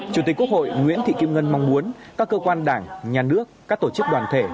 chủ tịch quốc hội nguyễn thị kim ngân mong muốn các cơ quan đảng nhà nước các tổ chức đoàn thể